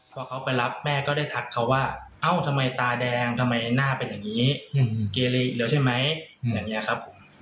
พอเขาไปรับแม่ก็ได้ทักเขาว่าเอ้าทำไมตาแดงทำไมหน้าเป็นอย่างนี้เกลียอีกแล้วใช่ไหมอย่างนี้ครับผม